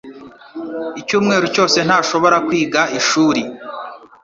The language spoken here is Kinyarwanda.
Icyumweru cyose ntashobora kwiga ishuri.